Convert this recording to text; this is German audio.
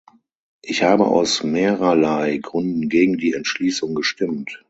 Ich habe aus mehrerlei Gründen gegen die Entschließung gestimmt.